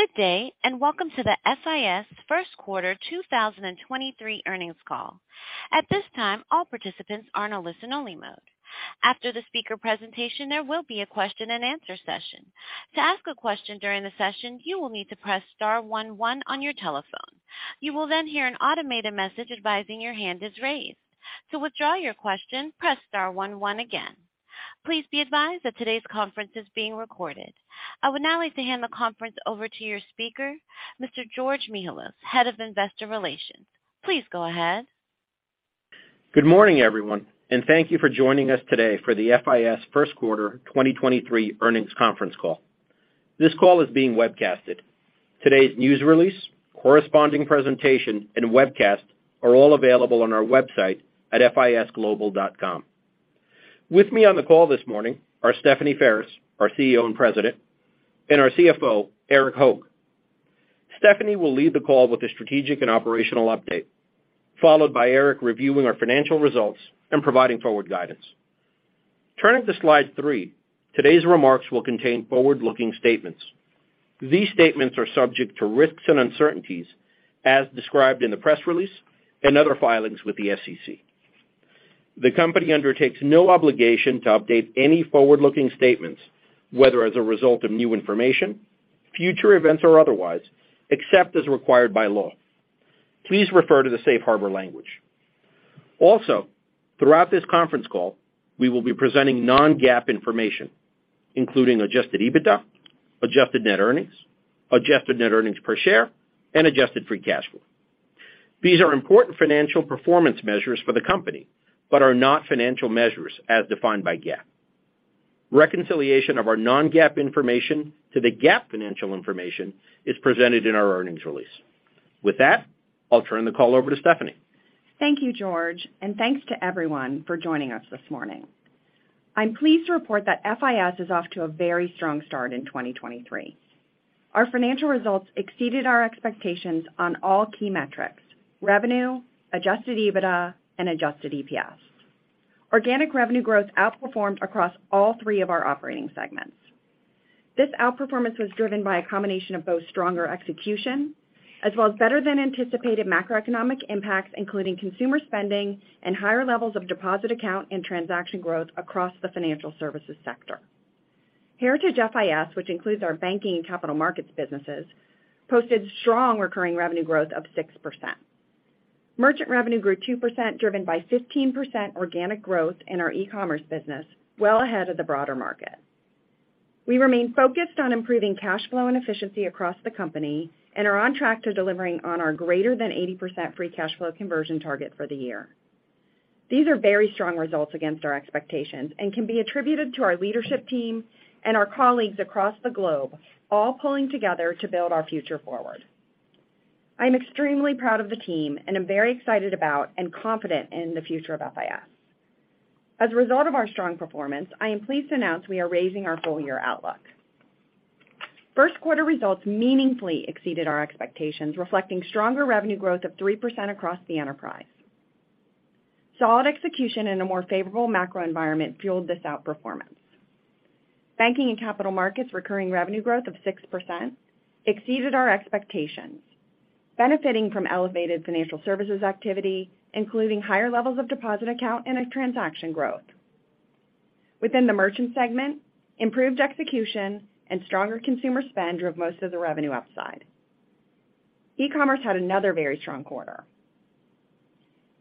Good day, welcome to the FIS first quarter 2023 earnings call. At this time, all participants are in a listen-only mode. After the speaker presentation, there will be a question-and-answer session. To ask a question during the session, you will need to press star one one on your telephone. You will hear an automated message advising your hand is raised. To withdraw your question, press star one one again. Please be advised that today's conference is being recorded. I would now like to hand the conference over to your speaker, Mr. George Mihalos, Head of Investor Relations. Please go ahead. Good morning, everyone, and thank you for joining us today for the FIS first quarter 2023 earnings conference call. This call is being webcasted. Today's news release, corresponding presentation, and webcast are all available on our website at fisglobal.com. With me on the call this morning are Stephanie Ferris, our CEO and President, and our CFO, Erik Hoag. Stephanie will lead the call with a strategic and operational update, followed by Erik reviewing our financial results and providing forward guidance. Turning to slide three, today's remarks will contain forward-looking statements. These statements are subject to risks and uncertainties as described in the press release and other filings with the SEC. The company undertakes no obligation to update any forward-looking statements, whether as a result of new information, future events, or otherwise, except as required by law. Please refer to the safe harbor language. Also, throughout this conference call, we will be presenting non-GAAP information, including Adjusted EBITDA, adjusted net earnings, adjusted net earnings per share, and adjusted free cash flow. These are important financial performance measures for the company, but are not financial measures as defined by GAAP. Reconciliation of our non-GAAP information to the GAAP financial information is presented in our earnings release. With that, I'll turn the call over to Stephanie. Thank you, George, and thanks to everyone for joining us this morning. I'm pleased to report that FIS is off to a very strong start in 2023. Our financial results exceeded our expectations on all key metrics: revenue, Adjusted EBITDA, and adjusted EPS. Organic revenue growth outperformed across all three of our operating segments. This outperformance was driven by a combination of both stronger execution as well as better than anticipated macroeconomic impacts, including consumer spending and higher levels of deposit account and transaction growth across the financial services sector. Heritage FIS, which includes our banking and capital markets businesses, posted strong recurring revenue growth of 6%. Merchant revenue grew 2%, driven by 15% organic growth in our e-commerce business well ahead of the broader market. We remain focused on improving cash flow and efficiency across the company and are on track to delivering on our greater than 80% free cash flow conversion target for the year. These are very strong results against our expectations and can be attributed to our leadership team and our colleagues across the globe all pulling together to build our Future Forward. I'm extremely proud of the team and am very excited about and confident in the future of FIS. As a result of our strong performance, I am pleased to announce we are raising our full-year outlook. First quarter results meaningfully exceeded our expectations, reflecting stronger revenue growth of 3% across the enterprise. Solid execution in a more favorable macro environment fueled this outperformance. Banking and capital markets recurring revenue growth of 6% exceeded our expectations, benefiting from elevated financial services activity, including higher levels of deposit account and transaction growth. Within the merchant segment, improved execution and stronger consumer spend drove most of the revenue upside. E-commerce had another very strong quarter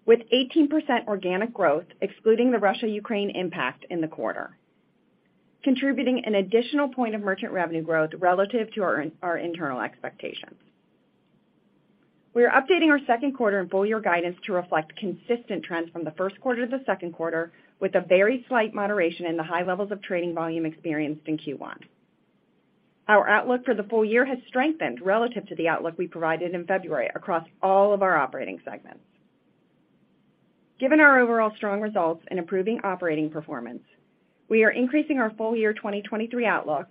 with 18% organic growth, excluding the Russia-Ukraine impact in the quarter, contributing an 1 additional point of merchant revenue growth relative to our internal expectations. We are updating our second quarter and full-year guidance to reflect consistent trends from the first quarter to the second quarter with a very slight moderation in the high levels of trading volume experienced in Q1. Our outlook for the full year has strengthened relative to the outlook we provided in February across all of our operating segments. Given our overall strong results and improving operating performance, we are increasing our full-year 2023 outlook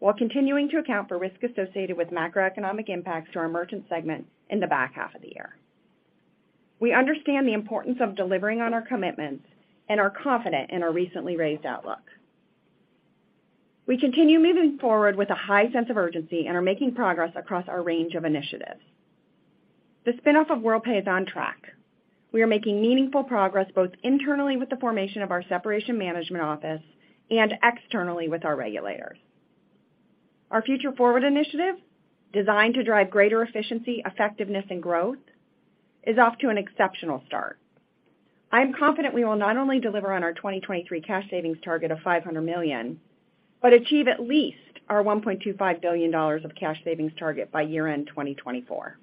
while continuing to account for risk associated with macroeconomic impacts to our merchant segment in the back half of the year. We understand the importance of delivering on our commitments and are confident in our recently raised outlook. We continue moving forward with a high sense of urgency and are making progress across our range of initiatives. The spinoff of Worldpay is on track. We are making meaningful progress both internally with the formation of our separation management office and externally with our regulators. Our Future Forward initiative, designed to drive greater efficiency, effectiveness, and growth, is off to an exceptional start. I am confident we will not only deliver on our 2023 cash savings target of $500 million, but achieve at least our $1.25 billion of cash savings target by year-end 2024.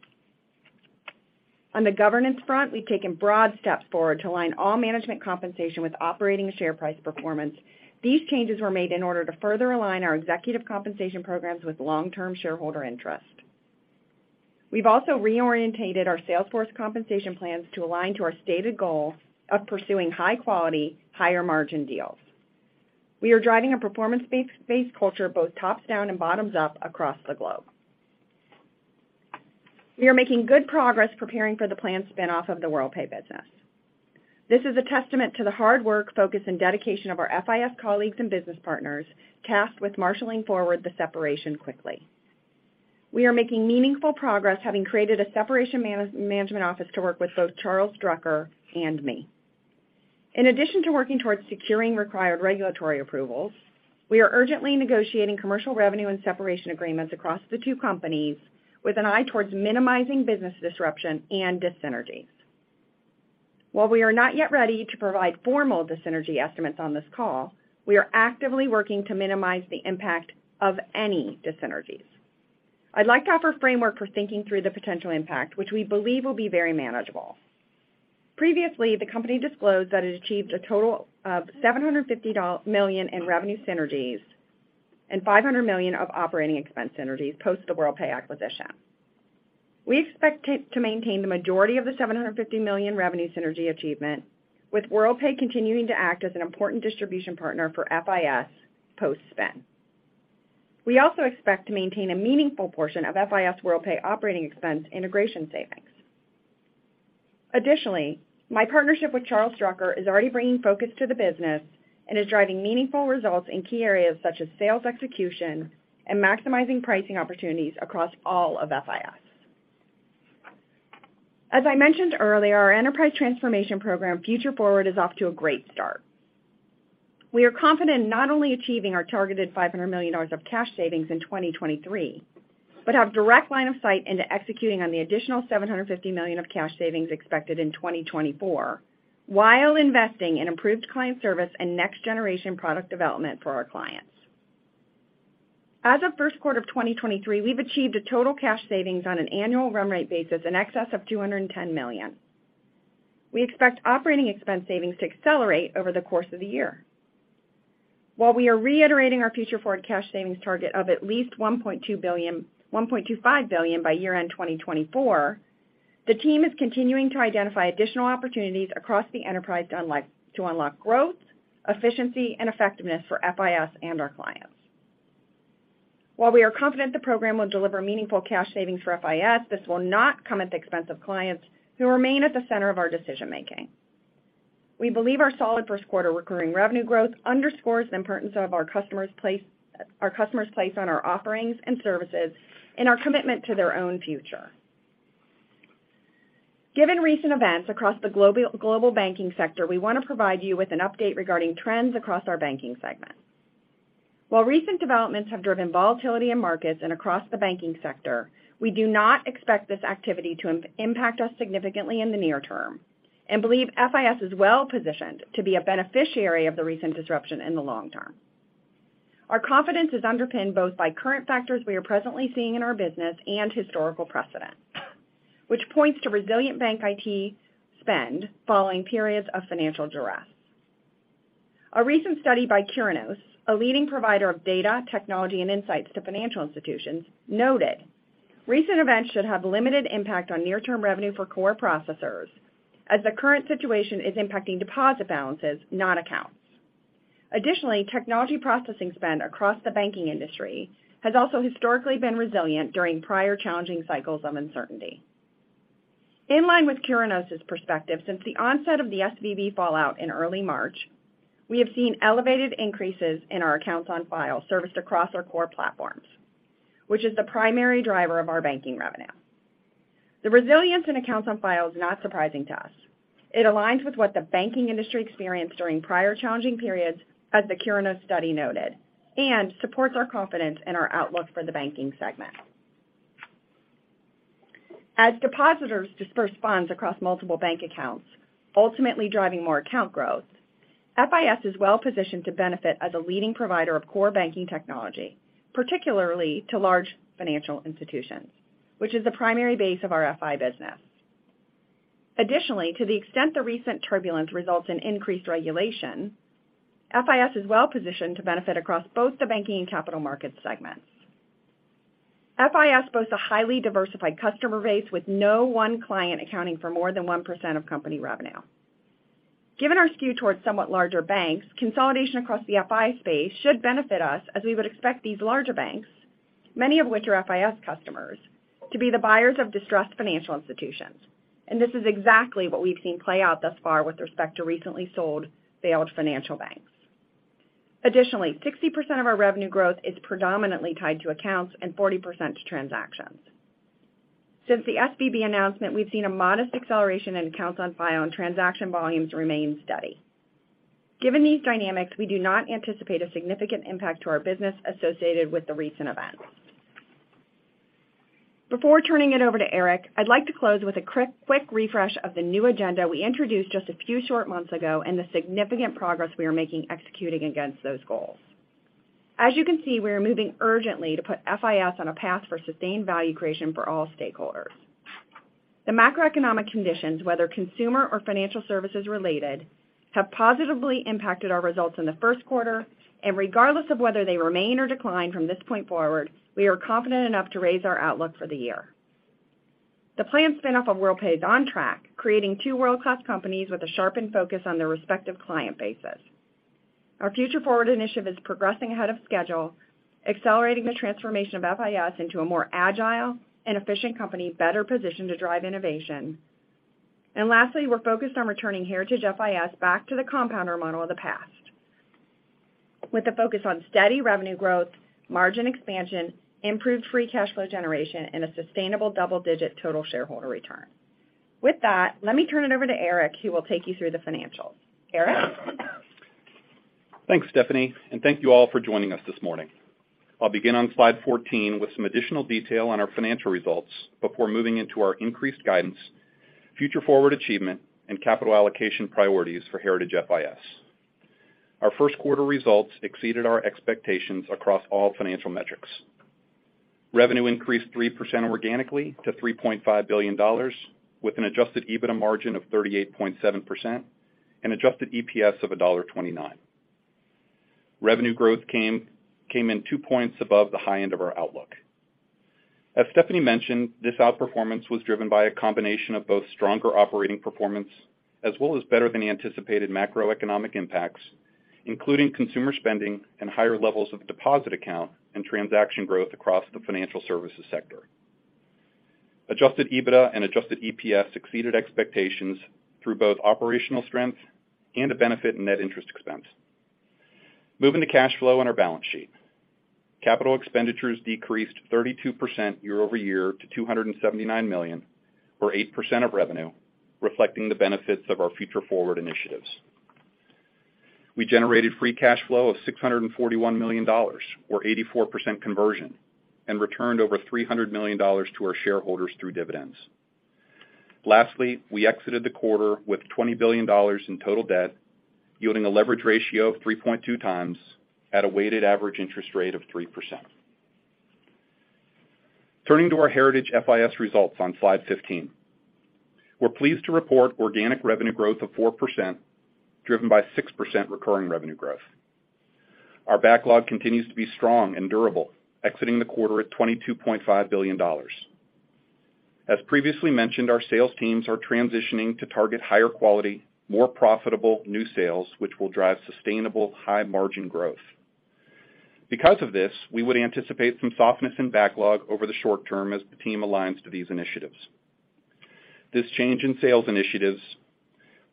On the governance front, we've taken broad steps forward to align all management compensation with operating share price performance. These changes were made in order to further align our executive compensation programs with long-term shareholder interest. We've also reorientated our salesforce compensation plans to align to our stated goal of pursuing high quality, higher margin deals. We are driving a performance-based culture both tops down and bottoms up across the globe. We are making good progress preparing for the planned spin-off of the Worldpay business. This is a testament to the hard work, focus, and dedication of our FIS colleagues and business partners tasked with marshaling forward the separation quickly. We are making meaningful progress, having created a separation management office to work with both Charles Drucker and me. In addition to working towards securing required regulatory approvals, we are urgently negotiating commercial revenue and separation agreements across the two companies with an eye towards minimizing business disruption and dis-synergies. While we are not yet ready to provide formal dis-synergy estimates on this call, we are actively working to minimize the impact of any dis-synergies. I'd like to offer a framework for thinking through the potential impact, which we believe will be very manageable. Previously, the company disclosed that it achieved a total of $750 million in revenue synergies and $500 million of operating expense synergies post the Worldpay acquisition. We expect to maintain the majority of the $750 million revenue synergy achievement, with Worldpay continuing to act as an important distribution partner for FIS post-spin. We also expect to maintain a meaningful portion of FIS Worldpay operating expense integration savings. Additionally, my partnership with Charles Drucker is already bringing focus to the business and is driving meaningful results in key areas such as sales execution and maximizing pricing opportunities across all of FIS. As I mentioned earlier, our enterprise transformation program, Future Forward, is off to a great start. We are confident in not only achieving our targeted $500 million of cash savings in 2023, but have direct line of sight into executing on the additional $750 million of cash savings expected in 2024, while investing in improved client service and next-generation product development for our clients. As of first quarter of 2023, we've achieved a total cash savings on an annual run rate basis in excess of $210 million. We expect operating expense savings to accelerate over the course of the year. We are reiterating our Future Forward cash savings target of at least $1.25 billion by year-end 2024, the team is continuing to identify additional opportunities across the enterprise to unlock growth, efficiency, and effectiveness for FIS and our clients. We are confident the program will deliver meaningful cash savings for FIS, this will not come at the expense of clients who remain at the center of our decision-making. We believe our solid first quarter recurring revenue growth underscores the importance of our customers place on our offerings and services and our commitment to their own future. Given recent events across the global banking sector, we want to provide you with an update regarding trends across our banking segment. While recent developments have driven volatility in markets and across the banking sector, we do not expect this activity to impact us significantly in the near term and believe FIS is well-positioned to be a beneficiary of the recent disruption in the long term. Our confidence is underpinned both by current factors we are presently seeing in our business and historical precedent, which points to resilient bank IT spend following periods of financial duress. A recent study by Curinos, a leading provider of data, technology, and insights to financial institutions, noted recent events should have limited impact on near-term revenue for core processors as the current situation is impacting deposit balances, not accounts. Additionally, technology processing spend across the banking industry has also historically been resilient during prior challenging cycles of uncertainty. In line with Curinos' perspective, since the onset of the SVB fallout in early March, we have seen elevated increases in our accounts on file serviced across our core platforms, which is the primary driver of our banking revenue. The resilience in accounts on file is not surprising to us. It aligns with what the banking industry experienced during prior challenging periods, as the Curinos study noted, and supports our confidence in our outlook for the banking segment. As depositors disperse funds across multiple bank accounts, ultimately driving more account growth, FIS is well-positioned to benefit as a leading provider of core banking technology, particularly to large financial institutions, which is the primary base of our FI business. Additionally, to the extent the recent turbulence results in increased regulation, FIS is well-positioned to benefit across both the banking and capital markets segments. FIS boasts a highly diversified customer base with no one client accounting for more than 1% of company revenue. Given our skew towards somewhat larger banks, consolidation across the FI space should benefit us as we would expect these larger banks, many of which are FIS customers, to be the buyers of distressed financial institutions. This is exactly what we've seen play out thus far with respect to recently sold failed financial banks. Additionally, 60% of our revenue growth is predominantly tied to accounts and 40% to transactions. Since the SVB announcement, we've seen a modest acceleration in accounts on file, and transaction volumes remain steady. Given these dynamics, we do not anticipate a significant impact to our business associated with the recent events. Before turning it over to Erik Hoag, I'd like to close with a quick refresh of the new agenda we introduced just a few short months ago and the significant progress we are making executing against those goals. As you can see, we are moving urgently to put FIS on a path for sustained value creation for all stakeholders. The macroeconomic conditions, whether consumer or financial services-related, have positively impacted our results in the first quarter, and regardless of whether they remain or decline from this point forward, we are confident enough to raise our outlook for the year. The planned spin-off of Worldpay is on track, creating two world-class companies with a sharpened focus on their respective client bases. Our Future Forward initiative is progressing ahead of schedule, accelerating the transformation of FIS into a more agile and efficient company better positioned to drive innovation. Lastly, we're focused on returning Heritage FIS back to the compounder model of the past with a focus on steady revenue growth, margin expansion, improved free cash flow generation, and a sustainable double-digit total shareholder return. With that, let me turn it over to Erik, who will take you through the financials. Erik? Thanks, Stephanie, thank you all for joining us this morning. I'll begin on slide 14 with some additional detail on our financial results before moving into our increased guidance, Future Forward achievement, and capital allocation priorities for Heritage FIS. Our first quarter results exceeded our expectations across all financial metrics. Revenue increased 3% organically to $3.5 billion, with an Adjusted EBITDA margin of 38.7% and adjusted EPS of $1.29. Revenue growth came in 2 points above the high end of our outlook. As Stephanie mentioned, this outperformance was driven by a combination of both stronger operating performance as well as better-than-anticipated macroeconomic impacts, including consumer spending and higher levels of deposit account and transaction growth across the financial services sector. Adjusted EBITDA and adjusted EPS exceeded expectations through both operational strength and a benefit in net interest expense. Moving to cash flow and our balance sheet. Capital expenditures decreased 32% year-over-year to $279 million or 8% of revenue, reflecting the benefits of our Future Forward initiatives. We generated free cash flow of $641 million or 84% conversion and returned over $300 million to our shareholders through dividends. Lastly, we exited the quarter with $20 billion in total debt, yielding a leverage ratio of 3.2x at a weighted average interest rate of 3%. Turning to our Heritage FIS results on slide 15. We're pleased to report organic revenue growth of 4%, driven by 6% recurring revenue growth. Our backlog continues to be strong and durable, exiting the quarter at $22.5 billion. As previously mentioned, our sales teams are transitioning to target higher quality, more profitable new sales, which will drive sustainable high-margin growth. Because of this, we would anticipate some softness in backlog over the short term as the team aligns to these initiatives. This change in sales initiatives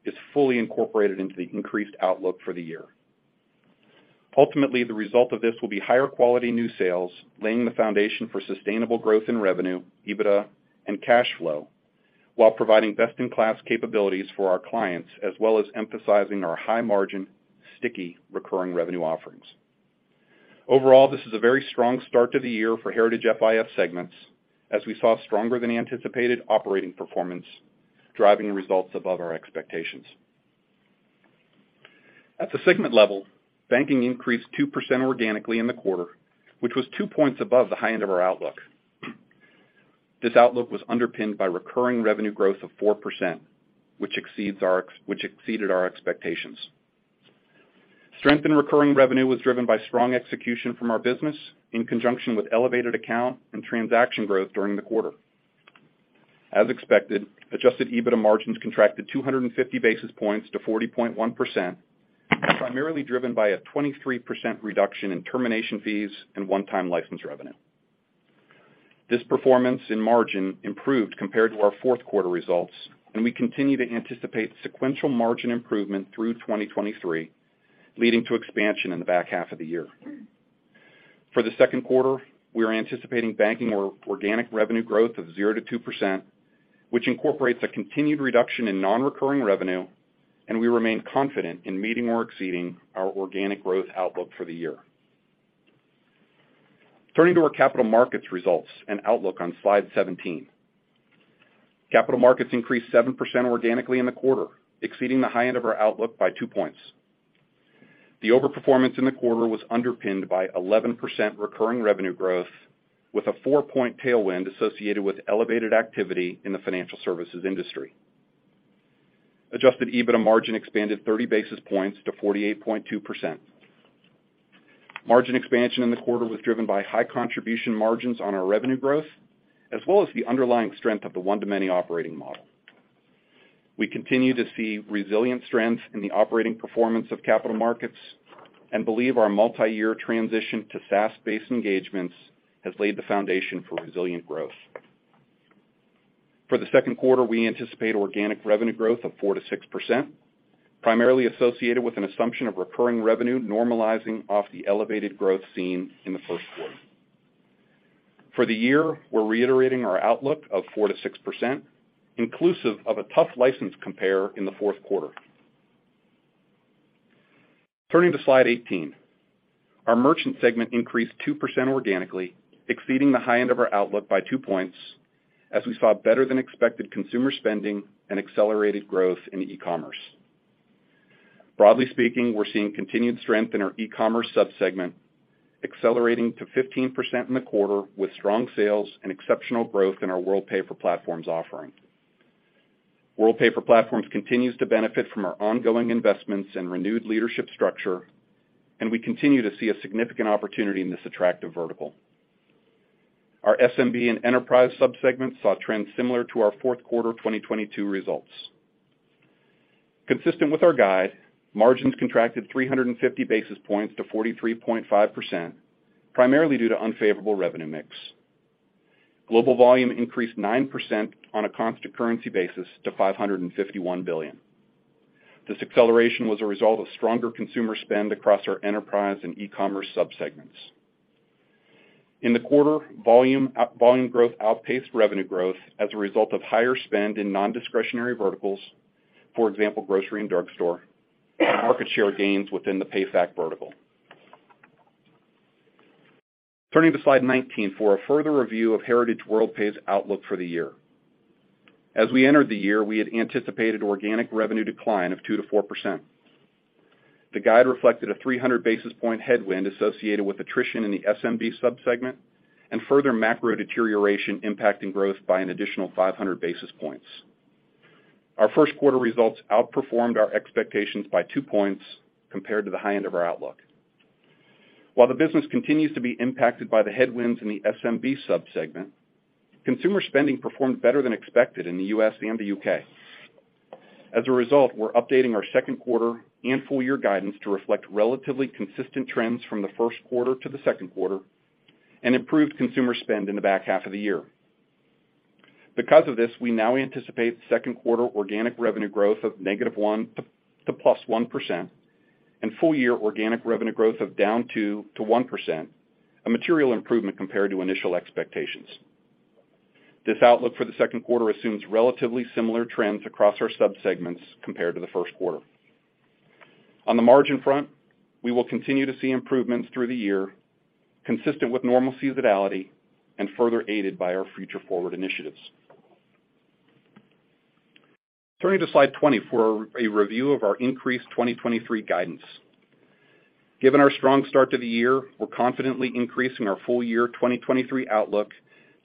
is fully incorporated into the increased outlook for the year. Ultimately, the result of this will be higher quality new sales, laying the foundation for sustainable growth in revenue, EBITDA, and cash flow while providing best-in-class capabilities for our clients, as well as emphasizing our high-margin, sticky recurring revenue offerings. Overall, this is a very strong start to the year for Heritage FIS segments as we saw stronger-than-anticipated operating performance driving results above our expectations. At the segment level, banking increased 2% organically in the quarter, which was 2 points above the high end of our outlook. This outlook was underpinned by recurring revenue growth of 4%, which exceeded our expectations. Strength in recurring revenue was driven by strong execution from our business in conjunction with elevated account and transaction growth during the quarter. As expected, Adjusted EBITDA margins contracted 250 basis points to 40.1%, primarily driven by a 23% reduction in termination fees and one-time license revenue. This performance in margin improved compared to our fourth quarter results. We continue to anticipate sequential margin improvement through 2023, leading to expansion in the back half of the year. For the second quarter, we are anticipating banking or organic revenue growth of 0%-2%, which incorporates a continued reduction in non-recurring revenue. We remain confident in meeting or exceeding our organic growth outlook for the year. Turning to our capital markets results and outlook on slide 17. Capital markets increased 7% organically in the quarter, exceeding the high end of our outlook by 2 points. The overperformance in the quarter was underpinned by 11% recurring revenue growth with a 4-point tailwind associated with elevated activity in the financial services industry. Adjusted EBITDA margin expanded 30 basis points to 48.2%. Margin expansion in the quarter was driven by high contribution margins on our revenue growth, as well as the underlying strength of the one-to-many operating model. We continue to see resilient strength in the operating performance of capital markets and believe our multiyear transition to SaaS-based engagements has laid the foundation for resilient growth. For the second quarter, we anticipate organic revenue growth of 4%-6%, primarily associated with an assumption of recurring revenue normalizing off the elevated growth seen in the first quarter. For the year, we're reiterating our outlook of 4%-6%, inclusive of a tough license compare in the fourth quarter. Turning to slide 18. Our merchant segment increased 2% organically, exceeding the high end of our outlook by 2 points as we saw better-than-expected consumer spending and accelerated growth in e-commerce. Broadly speaking, we're seeing continued strength in our e-commerce sub-segment, accelerating to 15% in the quarter with strong sales and exceptional growth in our Worldpay for Platforms offering. Worldpay for Platforms continues to benefit from our ongoing investments and renewed leadership structure. We continue to see a significant opportunity in this attractive vertical. Our SMB and enterprise subsegments saw trends similar to our fourth quarter 2022 results. Consistent with our guide, margins contracted 350 basis points to 43.5%, primarily due to unfavorable revenue mix. Global volume increased 9% on a constant currency basis to $551 billion. This acceleration was a result of stronger consumer spend across our enterprise and e-commerce subsegments. In the quarter, volume growth outpaced revenue growth as a result of higher spend in non-discretionary verticals, for example, grocery and drugstore, and market share gains within the PayFac vertical. Turning to slide 19 for a further review of Heritage Worldpay's outlook for the year. As we entered the year, we had anticipated organic revenue decline of 2%-4%. The guide reflected a 300 basis point headwind associated with attrition in the SMB sub-segment and further macro deterioration impacting growth by an additional 500 basis points. Our first quarter results outperformed our expectations by 2 points compared to the high end of our outlook. While the business continues to be impacted by the headwinds in the SMB sub-segment, consumer spending performed better than expected in the U.S. and the U.K. As a result, we're updating our second quarter and full year guidance to reflect relatively consistent trends from the first quarter to the second quarter and improved consumer spend in the back half of the year. Because of this, we now anticipate second quarter organic revenue growth of negative 1% to plus 1% and full year organic revenue growth of down 2% to 1%, a material improvement compared to initial expectations. This outlook for the second quarter assumes relatively similar trends across our sub-segments compared to the first quarter. On the margin front, we will continue to see improvements through the year, consistent with normal seasonality and further aided by our Future Forward initiatives. Turning to slide 20 for a review of our increased 2023 guidance. Given our strong start to the year, we're confidently increasing our full year 2023 outlook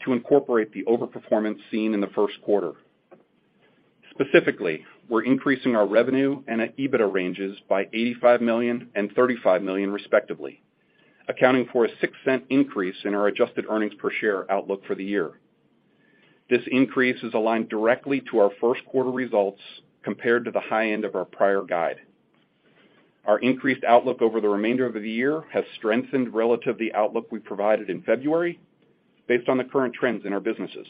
to incorporate the overperformance seen in the first quarter. Specifically, we're increasing our revenue and EBITDA ranges by $85 million and $35 million, respectively, accounting for a $0.06 increase in our adjusted earnings per share outlook for the year. This increase is aligned directly to our first quarter results compared to the high end of our prior guide. Our increased outlook over the remainder of the year has strengthened relative to the outlook we provided in February based on the current trends in our businesses.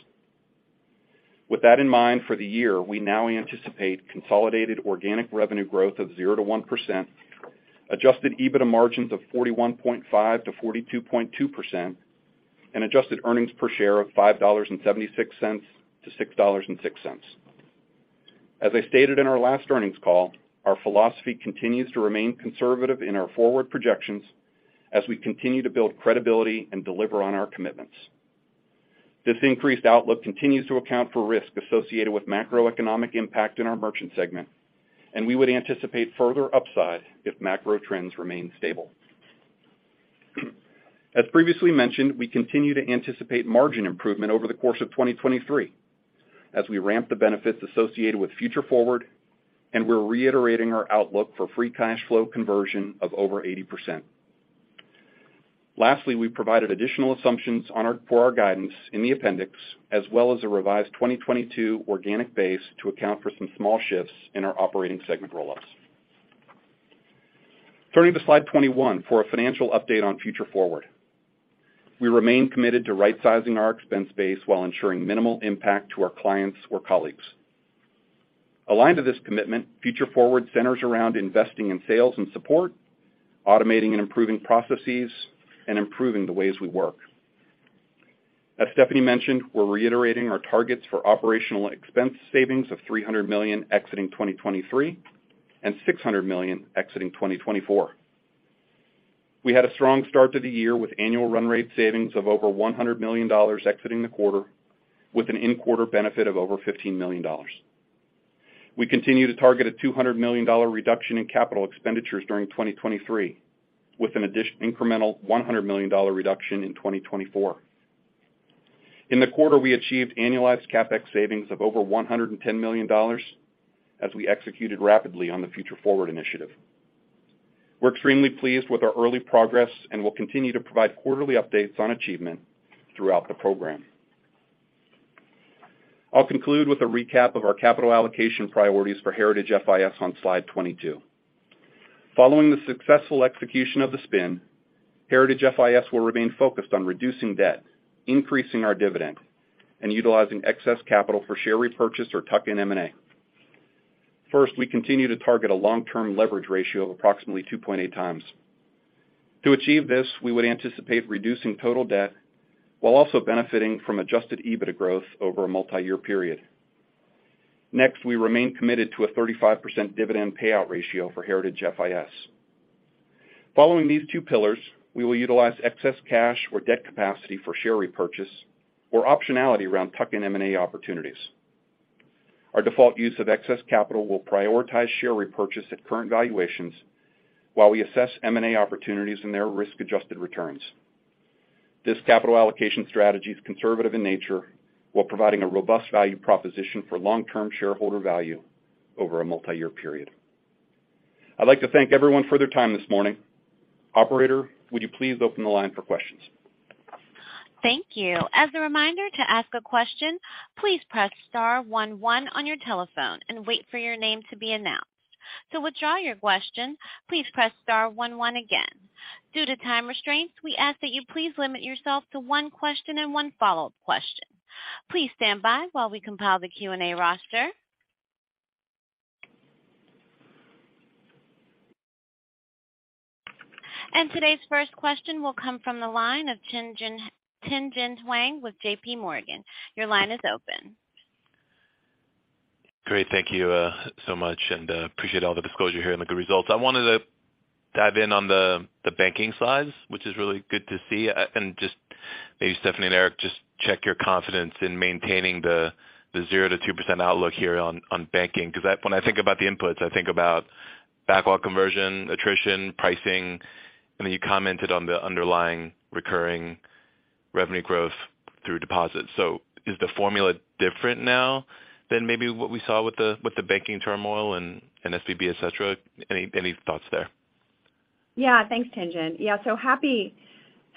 With that in mind, for the year, we now anticipate consolidated organic revenue growth of 0%-1%, Adjusted EBITDA margins of 41.5%-42.2%, and adjusted earnings per share of $5.76-$6.06. As I stated in our last earnings call, our philosophy continues to remain conservative in our forward projections as we continue to build credibility and deliver on our commitments. This increased outlook continues to account for risk associated with macroeconomic impact in our merchant segment, and we would anticipate further upside if macro trends remain stable. As previously mentioned, we continue to anticipate margin improvement over the course of 2023 as we ramp the benefits associated with Future Forward, and we're reiterating our outlook for free cash flow conversion of over 80%. Lastly, we provided additional assumptions for our guidance in the appendix, as well as a revised 2022 organic base to account for some small shifts in our operating segment roll-ups. Turning to slide 21 for a financial update on Future Forward. We remain committed to rightsizing our expense base while ensuring minimal impact to our clients or colleagues. Aligned to this commitment, Future Forward centers around investing in sales and support, automating and improving processes, and improving the ways we work. As Stephanie mentioned, we're reiterating our targets for operational expense savings of $300 million exiting 2023 and $600 million exiting 2024. We had a strong start to the year with annual run rate savings of over $100 million exiting the quarter with an in-quarter benefit of over $15 million. We continue to target a $200 million reduction in capital expenditures during 2023, with an incremental $100 million reduction in 2024. In the quarter, we achieved annualized CapEx savings of over $110 million as we executed rapidly on the Future Forward initiative. We're extremely pleased with our early progress and will continue to provide quarterly updates on achievement throughout the program. I'll conclude with a recap of our capital allocation priorities for Heritage FIS on slide 22. Following the successful execution of the spin, Heritage FIS will remain focused on reducing debt, increasing our dividend, and utilizing excess capital for share repurchase or tuck-in M&A. We continue to target a long-term leverage ratio of approximately 2.8x. To achieve this, we would anticipate reducing total debt while also benefiting from Adjusted EBITDA growth over a multi-year period. We remain committed to a 35% dividend payout ratio for Heritage FIS. Following these two pillars, we will utilize excess cash or debt capacity for share repurchase or optionality around tuck-in M&A opportunities. Our default use of excess capital will prioritize share repurchase at current valuations while we assess M&A opportunities and their risk-adjusted returns. This capital allocation strategy is conservative in nature while providing a robust value proposition for long-term shareholder value over a multi-year period. I'd like to thank everyone for their time this morning. Operator, would you please open the line for questions? Thank you. As a reminder, to ask a question, please press star one one on your telephone and wait for your name to be announced. To withdraw your question, please press star one one again. Due to time restraints, we ask that you please limit yourself to one question and one follow-up question. Please stand by while we compile the Q&A roster. Today's first question will come from the line of Tien-Tsin Huang with J.P. Morgan. Your line is open. Great. Thank you so much and appreciate all the disclosure here and the good results. I wanted to dive in on the banking slides, which is really good to see. Just maybe Stephanie and Erik, just check your confidence in maintaining the 0% to 2% outlook here on banking. Because when I think about the inputs, I think about backlog conversion, attrition, pricing, and then you commented on the underlying recurring revenue growth through deposits. Is the formula different now than maybe what we saw with the banking turmoil and SVB, et cetera? Any thoughts there? Thanks, Tien-Tsin.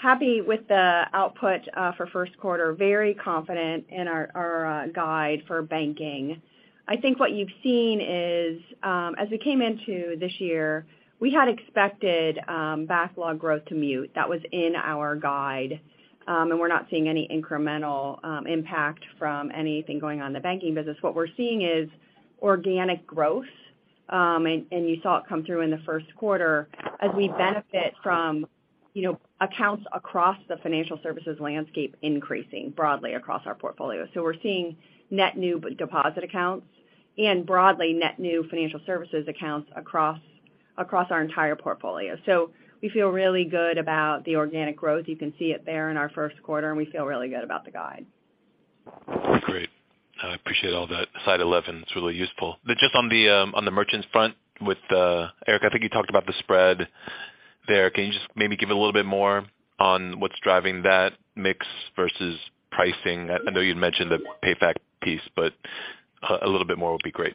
Happy with the output for first quarter. Very confident in our guide for banking. I think what you've seen is as we came into this year, we had expected backlog growth to mute. That was in our guide, and we're not seeing any incremental impact from anything going on in the banking business. What we're seeing is organic growth, and you saw it come through in the first quarter as we benefit from, you know, accounts across the financial services landscape increasing broadly across our portfolio. We're seeing net new but deposit accounts and broadly net new financial services accounts across our entire portfolio. We feel really good about the organic growth. You can see it there in our first quarter, and we feel really good about the guide. Great. I appreciate all that, slide 11. It's really useful. Just on the on the merchants front with Erik Hoag, I think you talked about the spread there. Can you just maybe give a little bit more on what's driving that mix versus pricing? I know you'd mentioned the PayFac piece, but a little bit more would be great.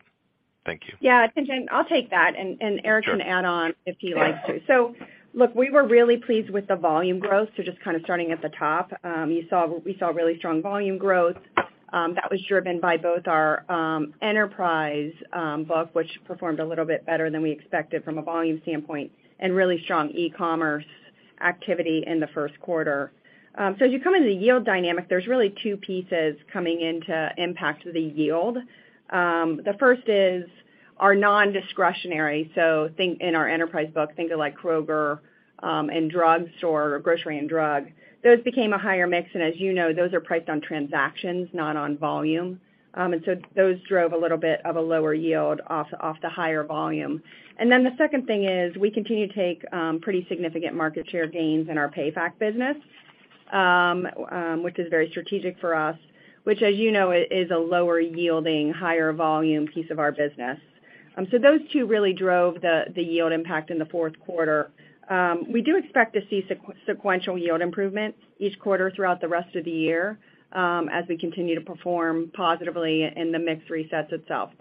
Thank you. Yeah. Tien-Tsin, I'll take that and Erik- Sure. can add on if he likes to. look, we were really pleased with the volume growth. just kind of starting at the top, we saw really strong volume growth, that was driven by both our enterprise book, which performed a little bit better than we expected from a volume standpoint, and really strong e-commerce activity in the first quarter. as you come into the yield dynamic, there's really two pieces coming into impact the yield. The first is our nondiscretionary, so think in our enterprise book, think of like Kroger, and drugstore or grocery and drug. Those became a higher mix, and as you know, those are priced on transactions, not on volume. those drove a little bit of a lower yield off the higher volume. The second thing is we continue to take pretty significant market share gains in our PayFac business, which is very strategic for us, which as you know, is a lower yielding, higher volume piece of our business. Those two really drove the yield impact in the fourth quarter. We do expect to see sequential yield improvement each quarter throughout the rest of the year, as we continue to perform positively and the mix resets itself.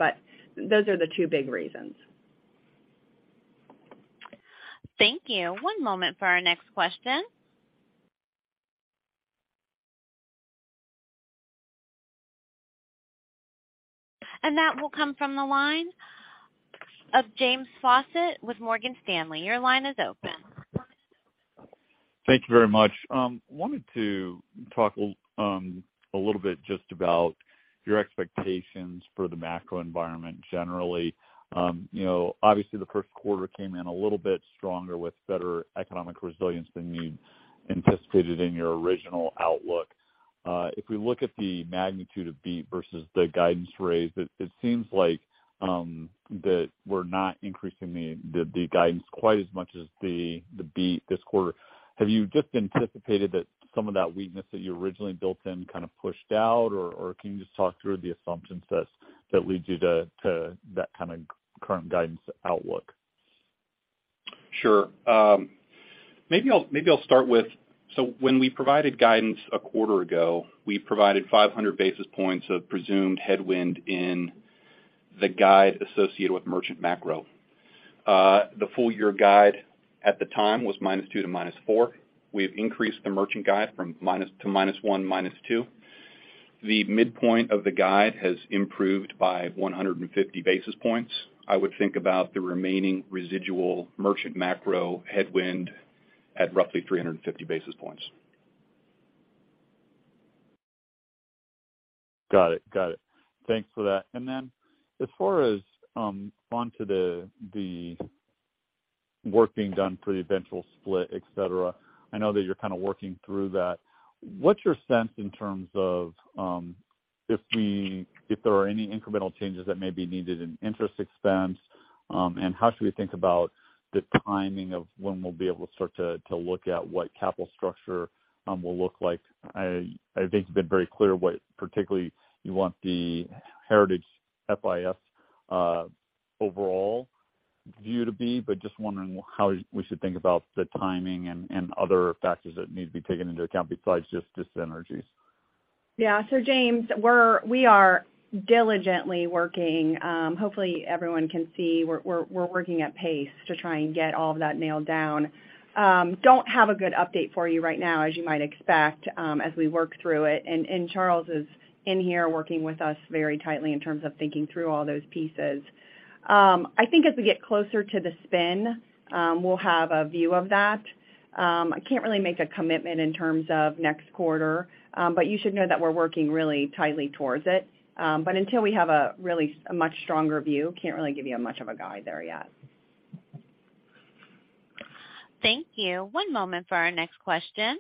Those are the two big reasons. Thank you. One moment for our next question. That will come from the line of James Faucette with Morgan Stanley. Your line is open. Thank you very much. wanted to talk a little bit just about your expectations for the macro environment generally. you know, obviously the first quarter came in a little bit stronger with better economic resilience than you anticipated in your original outlook. If we look at the magnitude of beat versus the guidance raise, it seems like that we're not increasing the guidance quite as much as the beat this quarter. Have you just anticipated that some of that weakness that you originally built in kind of pushed out, or can you just talk through the assumptions that leads you to that kind of current guidance outlook? Sure. Maybe I'll start with, so when we provided guidance a quarter ago, we provided 500 basis points of presumed headwind in the guide associated with merchant macro. The full year guide at the time was -2 to -4. We've increased the merchant guide from -1 to -2. The midpoint of the guide has improved by 150 basis points. I would think about the remaining residual merchant macro headwind at roughly 350 basis points. Got it. Got it. Thanks for that. As far as onto the work being done for the eventual split, et cetera, I know that you're kind of working through that. What's your sense in terms of, if there are any incremental changes that may be needed in interest expense, and how should we think about the timing of when we'll be able to start to look at what capital structure will look like? I think you've been very clear what particularly you want the Heritage FIS overall view to be. Just wondering how we should think about the timing and other factors that need to be taken into account besides just dis-synergies. James, we are diligently working. Hopefully everyone can see we're working at pace to try and get all of that nailed down. Don't have a good update for you right now, as you might expect, as we work through it. Charles is in here working with us very tightly in terms of thinking through all those pieces. I think as we get closer to the spin, we'll have a view of that. I can't really make a commitment in terms of next quarter, but you should know that we're working really tightly towards it. Until we have a much stronger view, can't really give you much of a guide there yet. Thank you. One moment for our next question.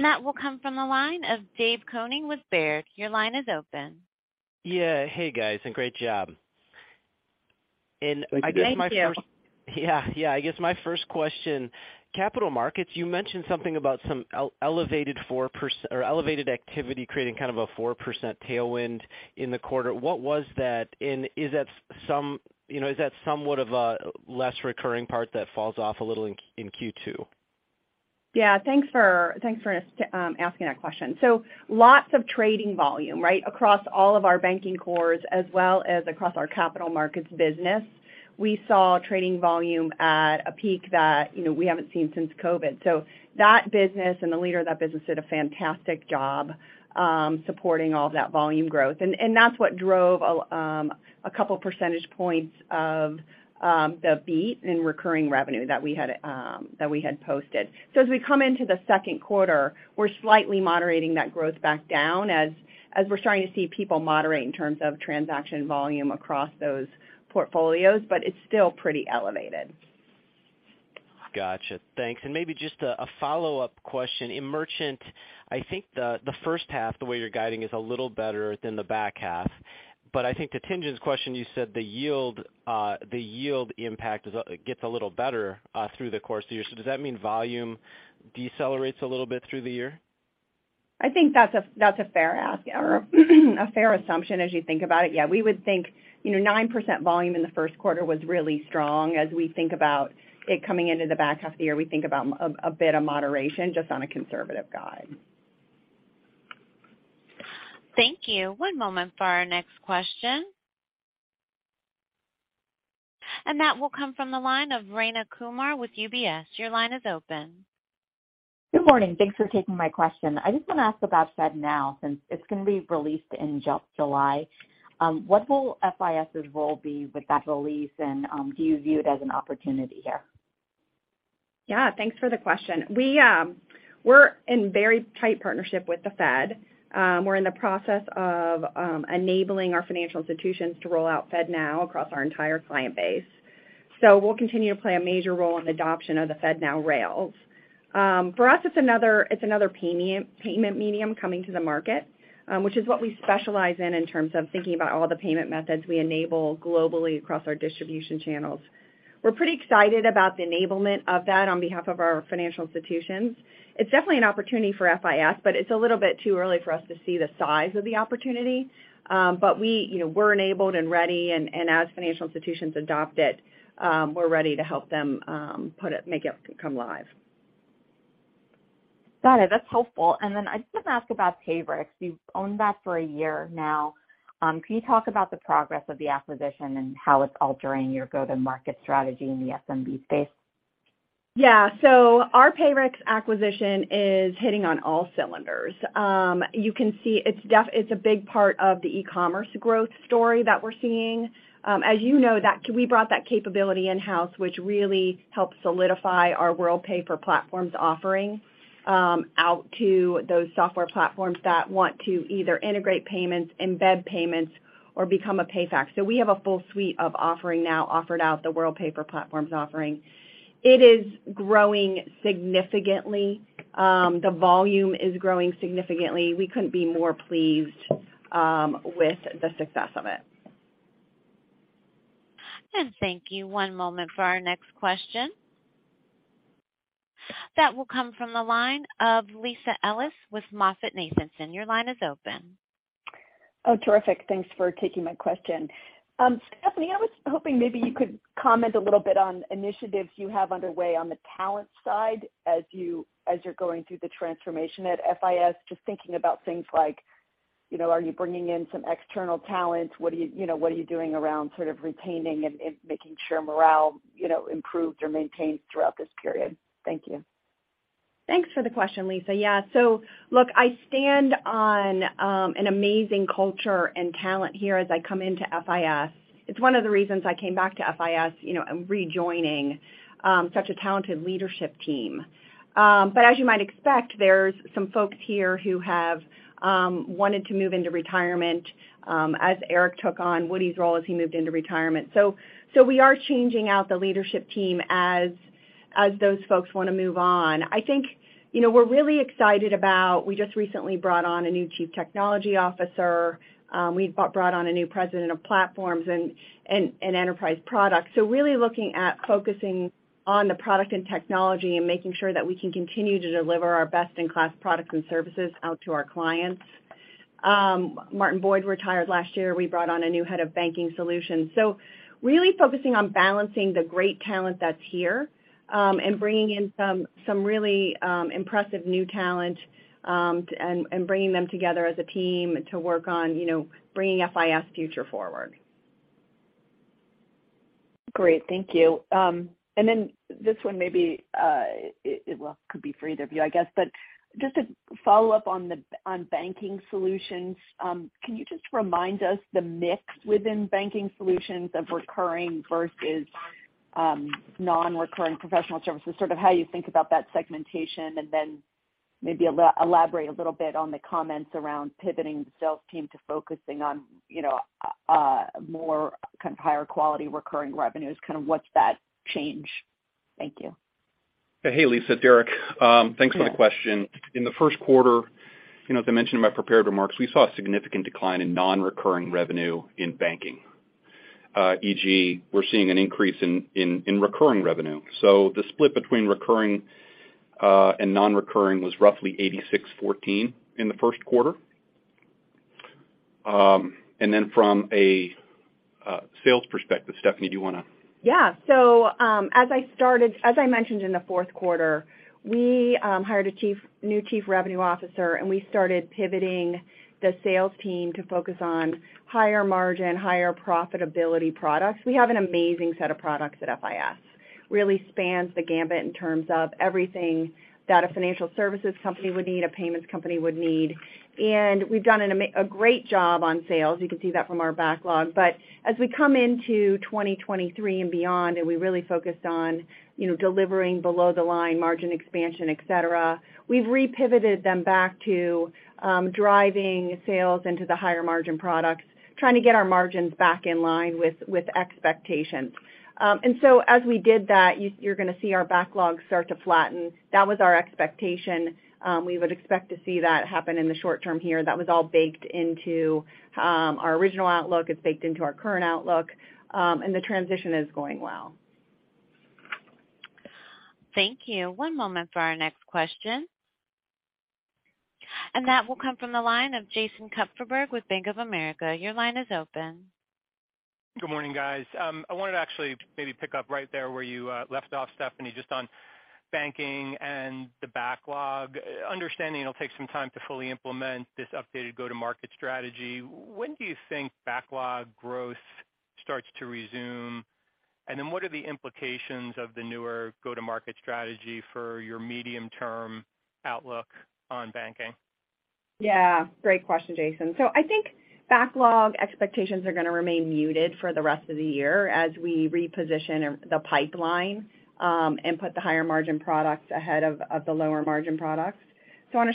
That will come from the line of Dave Koning with Baird. Your line is open. Yeah. Hey, guys, and great job. Thank you. Yeah, yeah. I guess my first question, capital markets. You mentioned something about some elevated activity creating kind of a 4% tailwind in the quarter. What was that? Is that some, you know, is that somewhat of a less recurring part that falls off a little in Q2? Yeah. Thanks for asking that question. Lots of trading volume, right, across all of our banking cores as well as across our capital markets business. We saw trading volume at a peak that, you know, we haven't seen since COVID. That business and the leader of that business did a fantastic job supporting all of that volume growth. That's what drove a couple percentage points of the beat in recurring revenue that we had that we had posted. As we come into the second quarter, we're slightly moderating that growth back down as we're starting to see people moderate in terms of transaction volume across those portfolios, but it's still pretty elevated. Gotcha. Thanks. Maybe just a follow-up question. In merchant, I think the first half, the way you're guiding is a little better than the back half. I think to Tien's question, you said the yield impact is, gets a little better through the course of the year. Does that mean volume decelerates a little bit through the year? I think that's a fair ask or a fair assumption as you think about it. We would think, you know, 9% volume in the first quarter was really strong. We think about it coming into the back half of the year, we think about a bit of moderation just on a conservative guide. Thank you. One moment for our next question. That will come from the line of Rayna Kumar with UBS. Your line is open. Good morning. Thanks for taking my question. I just want to ask about FedNow since it's going to be released in July. What will FIS's role be with that release and, do you view it as an opportunity here? Yeah. Thanks for the question. We're in very tight partnership with the Fed. We're in the process of enabling our financial institutions to roll out FedNow across our entire client base. We'll continue to play a major role in the adoption of the FedNow rails. For us, it's another, it's another payment medium coming to the market, which is what we specialize in terms of thinking about all the payment methods we enable globally across our distribution channels. We're pretty excited about the enablement of that on behalf of our financial institutions. It's definitely an opportunity for FIS, it's a little bit too early for us to see the size of the opportunity. We, you know, we're enabled and ready and as financial institutions adopt it, we're ready to help them, put it, make it come live. Got it. That's helpful. Then I just want to ask about Payrix. You've owned that for a year now. Can you talk about the progress of the acquisition and how it's altering your go-to-market strategy in the SMB space? Our Payrix acquisition is hitting on all cylinders. You can see it's a big part of the e-commerce growth story that we're seeing. As you know that we brought that capability in-house, which really helps solidify our Worldpay for Platforms offering, out to those software platforms that want to either integrate payments, embed payments, or become a PayFac. We have a full suite of offering now offered out the Worldpay for Platforms offering. It is growing significantly. The volume is growing significantly. We couldn't be more pleased with the success of it. Thank you. One moment for our next question. That will come from the line of Lisa Ellis with MoffettNathanson. Your line is open. Terrific. Thanks for taking my question. Stephanie, I was hoping maybe you could comment a little bit on initiatives you have underway on the talent side as you're going through the transformation at FIS. Just thinking about things like, you know, are you bringing in some external talent? What are you know, what are you doing around sort of retaining and making sure morale, you know, improved or maintained throughout this period? Thank you. Thanks for the question, Lisa. Yeah. Look, I stand on an amazing culture and talent here as I come into FIS. It's one of the reasons I came back to FIS, you know, and rejoining such a talented leadership team. As you might expect, there's some folks here who have wanted to move into retirement as Erik took on Woody's role as he moved into retirement. We are changing out the leadership team as those folks want to move on. I think, you know, we're really excited about we just recently brought on a new chief technology officer. We brought on a new president of platforms and enterprise products. Really looking at focusing on the product and technology and making sure that we can continue to deliver our best-in-class products and services out to our clients. Martin Boyd retired last year. We brought on a new head of banking solutions. Really focusing on balancing the great talent that's here, and bringing in some really impressive new talent and bringing them together as a team to work on, you know, bringing FIS Future Forward. Great. Thank you. This one may be well, it could be for either of you, I guess. Just to follow up on banking solutions, can you just remind us the mix within banking solutions of recurring versus non-recurring professional services, sort of how you think about that segmentation? Maybe elaborate a little bit on the comments around pivoting the sales team to focusing on, you know, a more kind of higher quality recurring revenues, kind of what's that change? Thank you. Hey, Lisa, its Erik. Thanks for the question. In the first quarter, you know, as I mentioned in my prepared remarks, we saw a significant decline in non-recurring revenue in banking. e.g., we're seeing an increase in recurring revenue. The split between recurring and non-recurring was roughly 86/14 in the first quarter. From a sales perspective, Stephanie, do you wanna? As I mentioned in the fourth quarter, we hired a new chief revenue officer, and we started pivoting the sales team to focus on higher margin, higher profitability products. We have an amazing set of products at FIS. Really spans the gamut in terms of everything that a financial services company would need, a payments company would need. We've done a great job on sales. You can see that from our backlog. As we come into 2023 and beyond, and we really focused on, you know, delivering below the line margin expansion, et cetera, we've re-pivoted them back to driving sales into the higher margin products, trying to get our margins back in line with expectations. As we did that, you're gonna see our backlog start to flatten. That was our expectation. We would expect to see that happen in the short term here. That was all baked into our original outlook. It's baked into our current outlook, and the transition is going well. Thank you. One moment for our next question. That will come from the line of Jason Kupferberg with Bank of America. Your line is open. Good morning, guys. I wanted to actually maybe pick up right there where you left off, Stephanie, just on banking and the backlog. Understanding it'll take some time to fully implement this updated go-to-market strategy, when do you think backlog growth starts to resume? What are the implications of the newer go-to-market strategy for your medium-term outlook on banking? Yeah. Great question, Jason. I think backlog expectations are gonna remain muted for the rest of the year as we reposition or the pipeline and put the higher margin products ahead of the lower margin products. On a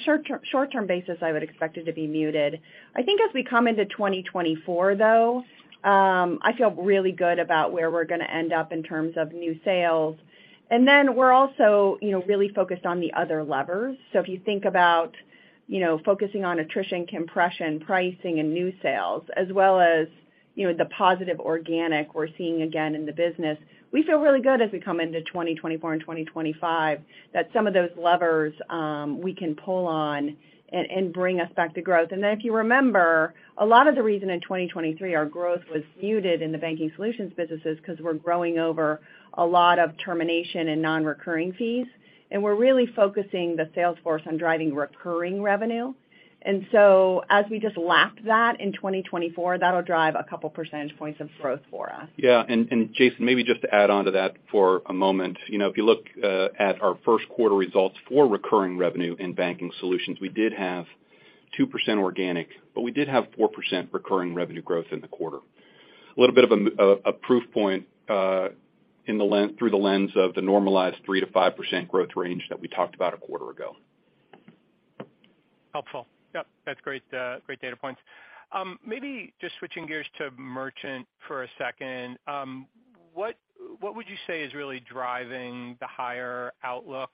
short-term basis, I would expect it to be muted. I think as we come into 2024, though, I feel really good about where we're gonna end up in terms of new sales. Then we're also, you know, really focused on the other levers. If you think about, you know, focusing on attrition, compression, pricing, and new sales, as well as, you know, the positive organic we're seeing again in the business, we feel really good as we come into 2024 and 2025 that some of those levers we can pull on and bring us back to growth. If you remember, a lot of the reason in 2023 our growth was muted in the banking solutions business is because we're growing over a lot of termination and non-recurring fees, and we're really focusing the sales force on driving recurring revenue. As we just lap that in 2024, that'll drive a couple percentage points of growth for us. Yeah. Jason, maybe just to add on to that for a moment. You know, if you look at our first quarter results for recurring revenue in banking solutions, we did have 2% organic, but we did have 4% recurring revenue growth in the quarter. A little bit of a proof point through the lens of the normalized 3%-5% growth range that we talked about a quarter ago. Helpful. Yep, that's great data points. Maybe just switching gears to merchant for a second. What would you say is really driving the higher outlook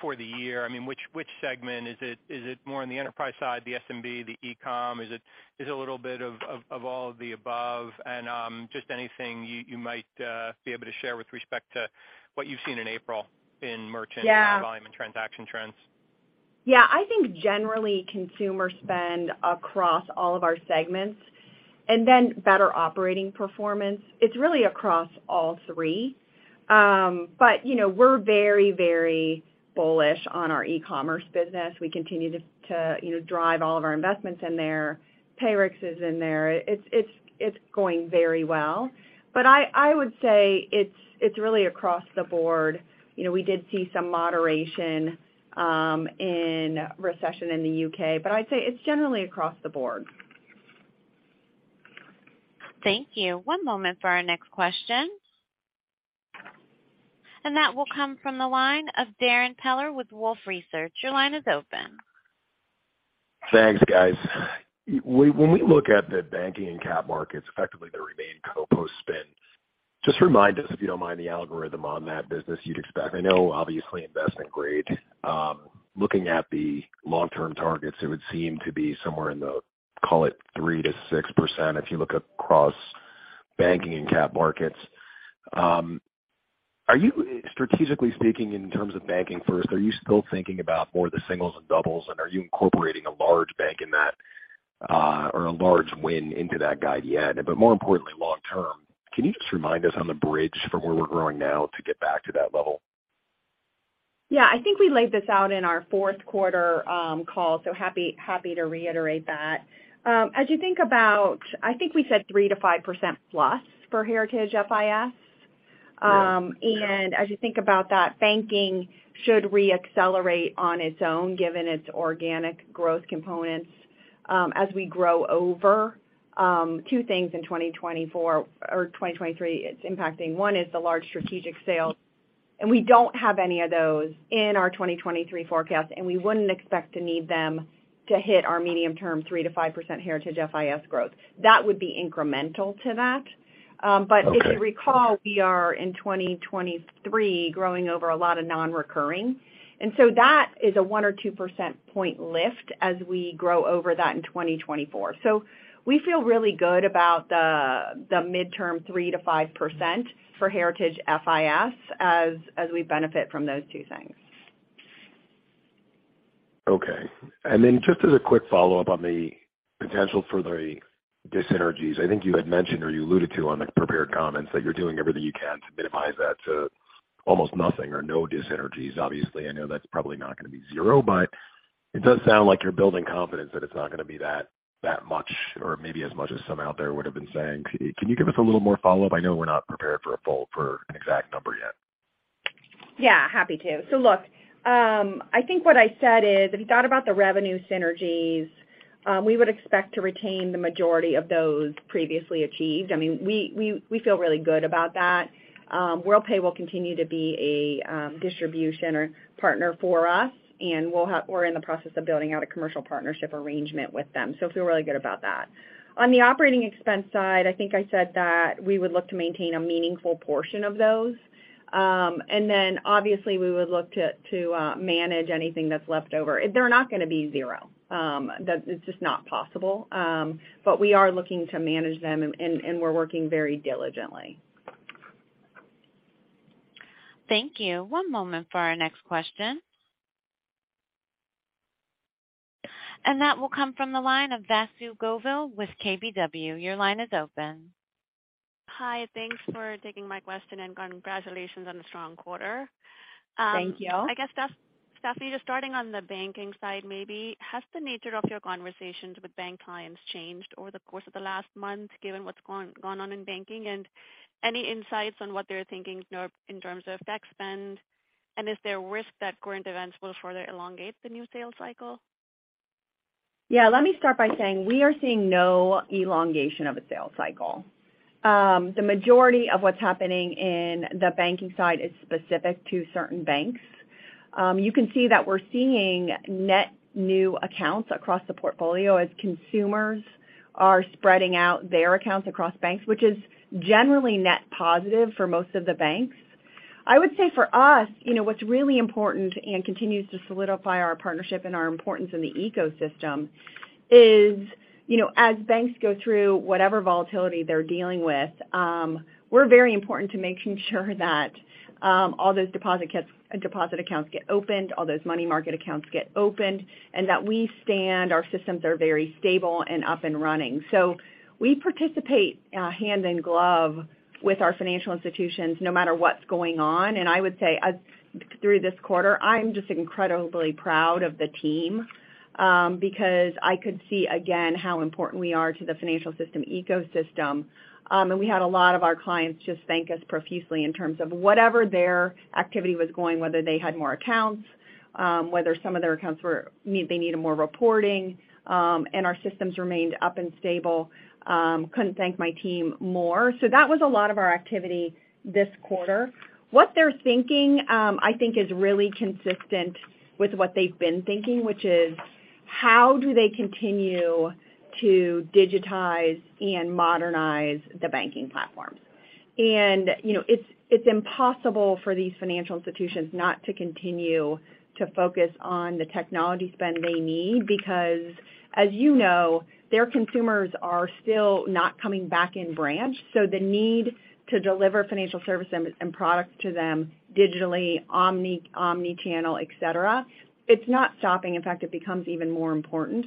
for the year? I mean, which segment? Is it more on the enterprise side, the SMB, the e-com? Is it a little bit of all of the above? Just anything you might be able to share with respect to what you've seen in April in merchant. Yeah. volume and transaction trends. I think generally consumer spend across all of our segments and then better operating performance. It's really across all three. you know, we're very, very bullish on our e-commerce business. We continue to, you know, drive all of our investments in there. Payrix is in there. It's going very well. I would say it's really across the board. You know, we did see some moderation in recession in the UK. I'd say it's generally across the board. Thank you. One moment for our next question. That will come from the line of Darrin Peller with Wolfe Research. Your line is open. Thanks, guys. When we look at the banking and cap markets, effectively the remaining Corpco spin, just remind us, if you don't mind, the algorithm on that business you'd expect? I know obviously investment grade. Looking at the long-term targets, it would seem to be somewhere in the, call it 3%-6% if you look across banking and cap markets. Are you, strategically speaking in terms of banking first, are you still thinking about more of the singles and doubles, and are you incorporating a large bank in that, or a large win into that guide yet? More importantly, long term, can you just remind us on the bridge from where we're growing now to get back to that level? Yeah. I think we laid this out in our fourth quarter call, so happy to reiterate that. As you think about I think we said 3%-5%+ for Heritage FIS. As you think about that, banking should reaccelerate on its own given its organic growth components. As we grow over two things in 2024 or 2023 it's impacting. One is the large strategic sales, and we don't have any of those in our 2023 forecast, and we wouldn't expect to need them to hit our medium-term 3%-5% Heritage FIS growth. That would be incremental to that. If you recall, we are in 2023 growing over a lot of non-recurring. That is a 1 or 2% point lift as we grow over that in 2024. We feel really good about the midterm 3%-5% for Heritage FIS as we benefit from those two things. Okay. Just as a quick follow-up on the potential for the dis-synergies. I think you had mentioned or you alluded to on the prepared comments that you're doing everything you can to minimize that to almost nothing or no dis-synergies. Obviously, I know that's probably not gonna be zero, but it does sound like you're building confidence that it's not gonna be that much or maybe as much as some out there would have been saying. Can you give us a little more follow-up? I know we're not prepared for an exact number yet. Yeah, happy to. Look, I think what I said is if you thought about the revenue synergies, we would expect to retain the majority of those previously achieved. I mean, we feel really good about that. Worldpay will continue to be a distribution or partner for us, and we're in the process of building out a commercial partnership arrangement with them. Feel really good about that. On the operating expense side, I think I said that we would look to maintain a meaningful portion of those. Obviously we would look to manage anything that's left over. They're not gonna be zero. That's just not possible. We are looking to manage them and we're working very diligently. Thank you. One moment for our next question. That will come from the line of Vasu Govil with KBW. Your line is open. Hi. Thanks for taking my question, and congratulations on the strong quarter. Thank you. I guess, Stephanie, just starting on the banking side maybe, has the nature of your conversations with bank clients changed over the course of the last month given what's gone on in banking? Any insights on what they're thinking in terms of tech spend? Is there risk that current events will further elongate the new sales cycle? Let me start by saying we are seeing no elongation of a sales cycle. The majority of what's happening in the banking side is specific to certain banks. You can see that we're seeing net new accounts across the portfolio as consumers are spreading out their accounts across banks, which is generally net positive for most of the banks. I would say for us, you know, what's really important and continues to solidify our partnership and our importance in the ecosystem is, you know, as banks go through whatever volatility they're dealing with, we're very important to making sure that all those deposit accounts get opened, all those money market accounts get opened, and that we stand, our systems are very stable and up and running. We participate hand in glove with our financial institutions no matter what's going on. I would say through this quarter, I'm just incredibly proud of the team, because I could see again how important we are to the financial system ecosystem. We had a lot of our clients just thank us profusely in terms of whatever their activity was going, whether they had more accounts, whether some of their accounts they needed more reporting, and our systems remained up and stable. Couldn't thank my team more. That was a lot of our activity this quarter. What they're thinking, I think is really consistent with what they've been thinking, which is how do they continue to digitize and modernize the banking platforms? You know, it's impossible for these financial institutions not to continue to focus on the technology spend they need because, as you know, their consumers are still not coming back in branch. The need to deliver financial services and products to them digitally, omnichannel, et cetera, it's not stopping. In fact, it becomes even more important.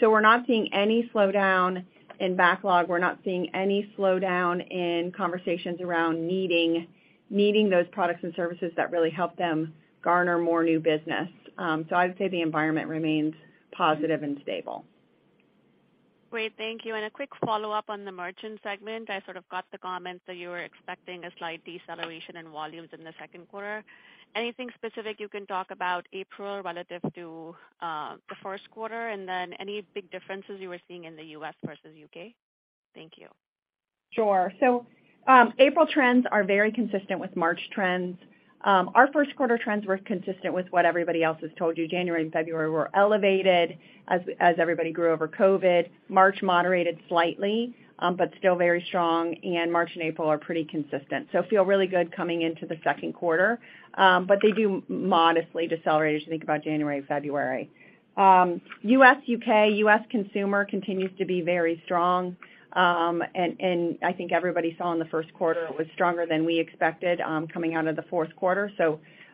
We're not seeing any slowdown in backlog. We're not seeing any slowdown in conversations around needing those products and services that really help them garner more new business. I would say the environment remains positive and stable. Great. Thank you. A quick follow-up on the merchant segment. I sort of got the comment that you were expecting a slight deceleration in volumes in the second quarter. Anything specific you can talk about April relative to the first quarter? Any big differences you were seeing in the U.S. versus U.K.? Thank you. Sure. April trends are very consistent with March trends. Our first quarter trends were consistent with what everybody else has told you. January and February were elevated as everybody grew over COVID. March moderated slightly, but still very strong, and March and April are pretty consistent. Feel really good coming into the second quarter, but they do modestly decelerate as you think about January and February. U.S., U.K., U.S. consumer continues to be very strong. I think everybody saw in the first quarter it was stronger than we expected, coming out of the fourth quarter.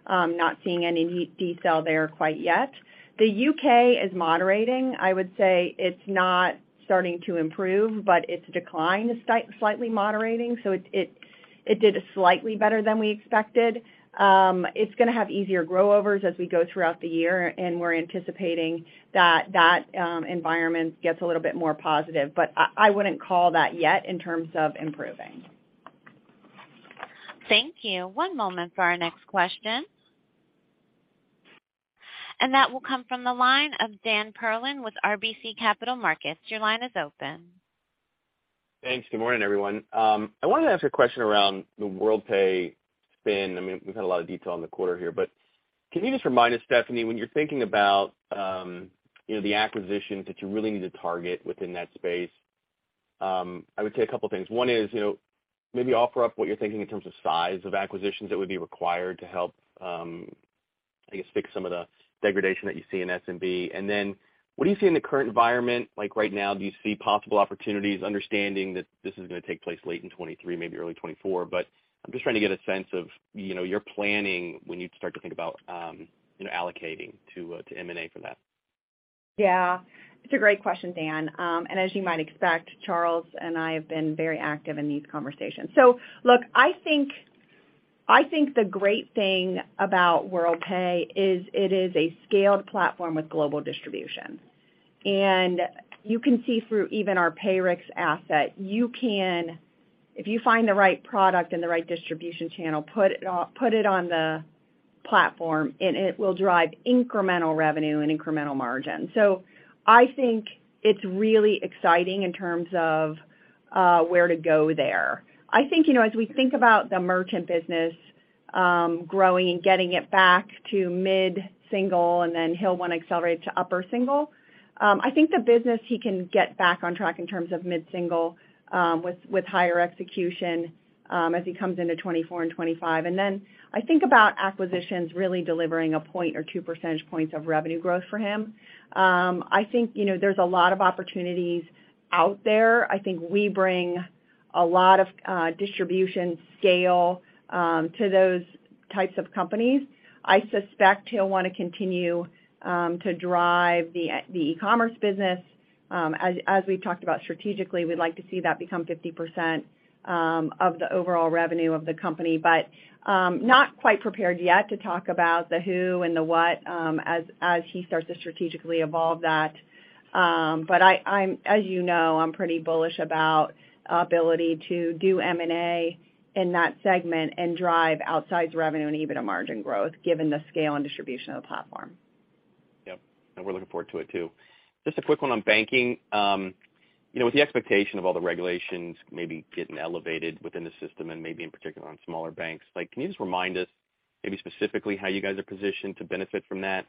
Not seeing any decel there quite yet. The U.K. is moderating. I would say it's not starting to improve, but its decline is slightly moderating, so it did slightly better than we expected. It's gonna have easier grow overs as we go throughout the year, and we're anticipating that that environment gets a little bit more positive. I wouldn't call that yet in terms of improving. Thank you. One moment for our next question. That will come from the line of Dan Perlin with RBC Capital Markets. Your line is open. Thanks. Good morning, everyone. I wanted to ask a question around the Worldpay spin. I mean, we've had a lot of detail on the quarter here, but can you just remind us, Stephanie, when you're thinking about, you know, the acquisitions that you really need to target within that space, I would say a couple things. One is, you know, maybe offer up what you're thinking in terms of size of acquisitions that would be required to help, I guess, fix some of the degradation that you see in SMB. What do you see in the current environment? Like right now, do you see possible opportunities understanding that this is gonna take place late in 2023, maybe early 2024? I'm just trying to get a sense of, you know, your planning when you start to think about, you know, allocating to M&A for that. It's a great question, Dan. As you might expect, Charles and I have been very active in these conversations. Look, I think the great thing about Worldpay is it is a scaled platform with global distribution. You can see through even our Payrix asset, you can if you find the right product and the right distribution channel, put it on the platform and it will drive incremental revenue and incremental margin. I think it's really exciting in terms of where to go there. I think, you know, as we think about the merchant business, growing and getting it back to mid-single and then he'll wanna accelerate to upper single, I think the business he can get back on track in terms of mid-single, with higher execution, as he comes into 2024 and 2025. Then I think about acquisitions really delivering 1 or 2 percentage points of revenue growth for him. I think, you know, there's a lot of opportunities out there. I think we bring a lot of distribution scale to those types of companies. I suspect he'll wanna continue to drive the e-commerce business. As we've talked about strategically, we'd like to see that become 50% of the overall revenue of the company. Not quite prepared yet to talk about the who and the what, as he starts to strategically evolve that. As you know, I'm pretty bullish about our ability to do M&A in that segment and drive outsized revenue and even a margin growth given the scale and distribution of the platform. Yep. We're looking forward to it too. Just a quick one on banking. You know, with the expectation of all the regulations maybe getting elevated within the system and maybe in particular on smaller banks, like can you just remind us maybe specifically how you guys are positioned to benefit from that?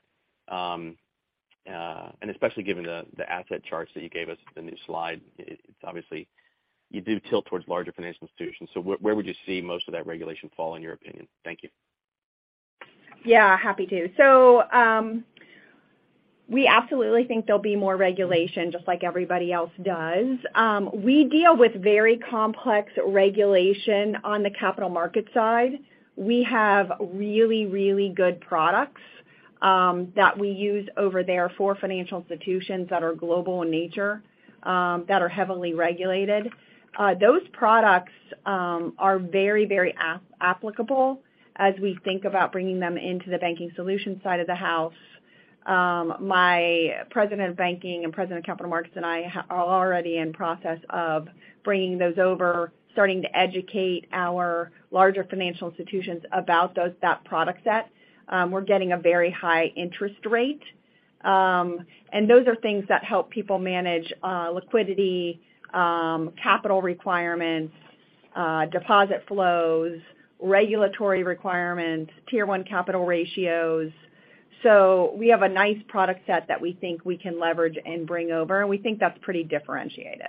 Especially given the asset charts that you gave us, the new slide, it's obviously you do tilt towards larger financial institutions. Where, where would you see most of that regulation fall in your opinion? Thank you. Happy to. We absolutely think there'll be more regulation just like everybody else does. We deal with very complex regulation on the capital markets side. We have really good products that we use over there for financial institutions that are global in nature that are heavily regulated. Those products are very applicable as we think about bringing them into the banking solutions side of the house. My president of banking and president of capital markets and I are already in process of bringing those over, starting to educate our larger financial institutions about those, that product set. We're getting a very high interest rate. Those are things that help people manage liquidity, capital requirements, deposit flows, regulatory requirements, tier 1 capital ratios. We have a nice product set that we think we can leverage and bring over, and we think that's pretty differentiated.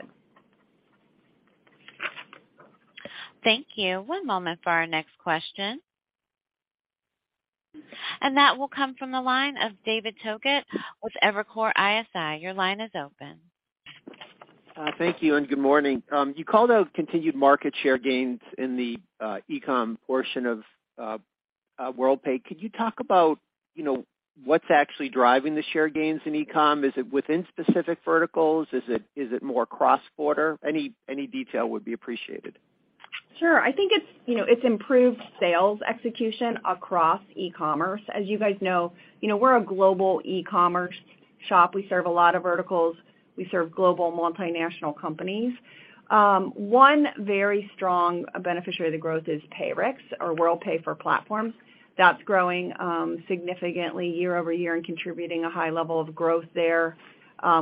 Thank you. One moment for our next question. That will come from the line of David Togut with Evercore ISI. Your line is open. Thank you and good morning. You called out continued market share gains in the e-com portion of Worldpay. Could you talk about, you know, what's actually driving the share gains in e-com? Is it within specific verticals? Is it more cross-border? Any detail would be appreciated. Sure. I think it's, you know, it's improved sales execution across e-commerce. As you guys know, you know, we're a global e-commerce shop. We serve a lot of verticals. We serve global multinational companies. One very strong beneficiary of the growth is Payrix, our Worldpay for Platforms. That's growing significantly year-over-year and contributing a high level of growth there,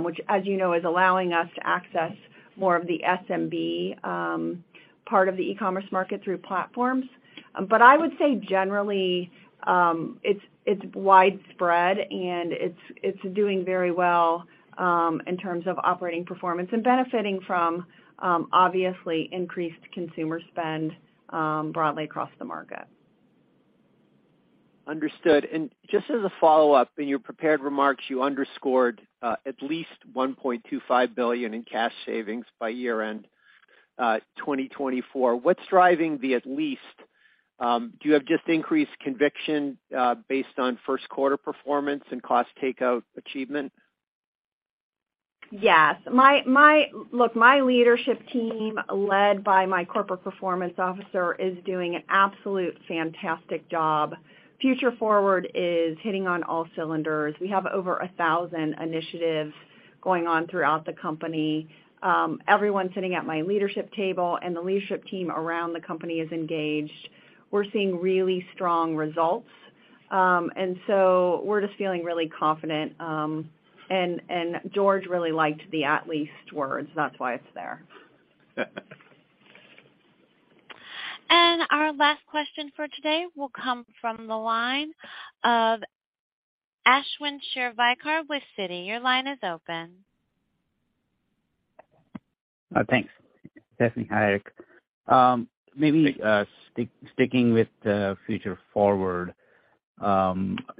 which as you know, is allowing us to access more of the SMB part of the e-commerce market through platforms. I would say generally, it's widespread, and it's doing very well in terms of operating performance and benefiting from obviously increased consumer spend broadly across the market. Understood. Just as a follow-up, in your prepared remarks, you underscored at least $1.25 billion in cash savings by year-end 2024. What's driving the at least? Do you have just increased conviction based on first quarter performance and cost takeout achievement? Yes. My... Look, my leadership team, led by my corporate performance officer, is doing an absolute fantastic job. Future Forward is hitting on all cylinders. We have over 1,000 initiatives going on throughout the company. Everyone sitting at my leadership table and the leadership team around the company is engaged. We're seeing really strong results. We're just feeling really confident. George really liked the at least words. That's why it's there. Our last question for today will come from the line of Ashwin Shirvaikar with Citi. Your line is open. Thanks, Stephanie. Hi, Erik. Maybe sticking with Future Forward, I